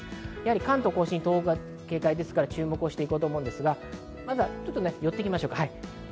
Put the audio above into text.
関東甲信、東北は警戒が必要ですので注目して見て行こうと思いますが、寄っていきましょう。